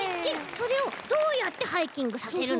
それをどうやってハイキングさせるの？